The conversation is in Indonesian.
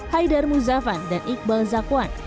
haidar muzavan dan iqbal zakwan